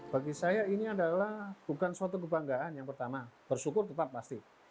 bagi saya ini adalah bukan suatu kebanggaan yang pertama bersyukur tetap pasti